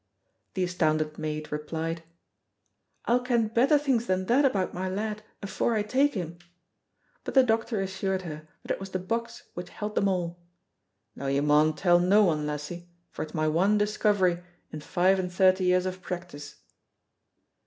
The astounded maid replied, "I'll ken better things than that about my lad afore I take him," but the doctor assured her that it was the box which held them all, "though you maun tell no one, lassie, for it's my one discovery in five and thirty years of practice."